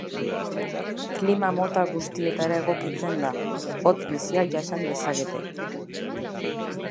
Klima mota guztietara egokitzen da, hotz bizia jasan dezakete.